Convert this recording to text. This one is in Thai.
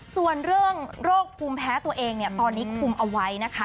ส่วนเรื่องโรคภูมิแพ้ตัวเองเนี่ยตอนนี้คุมเอาไว้นะคะ